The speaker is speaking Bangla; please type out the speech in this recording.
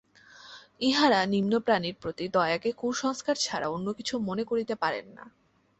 ইঁহারা নিম্ন প্রাণীর প্রতি দয়াকে কুসংস্কার ছাড়া অন্য কিছু মনে করিতে পারেন না।